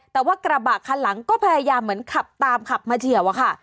แต่ว่ากระบะคันหลังก็พยายามเหมือนขับตามขับมาเฉียวอะค่ะ